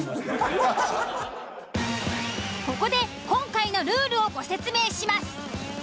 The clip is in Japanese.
ここで今回のルールをご説明します。